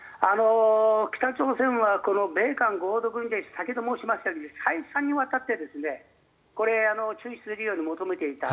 北朝鮮は米韓合同軍事演習先ほど申しましたが再三にわたって中止するように求めていた。